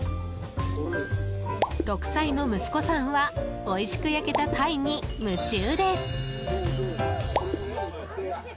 ６歳の息子さんはおいしく焼けたタイに夢中です。